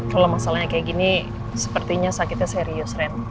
kalau masalahnya kayak gini sepertinya sakitnya serius ren